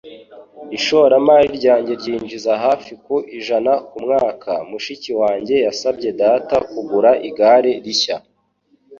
Ishoramari ryanjye ryinjiza hafi ku ijana kumwaka. Mushiki wanjye yasabye Data kugura igare rishya.